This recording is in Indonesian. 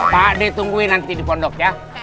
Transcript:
pak deh tungguin nanti di pondok ya